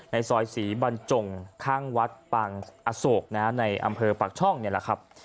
ในซอยศรีบรรจงข้างวัดปางอโศกในอำเภอปากช่องนี่แหละครับ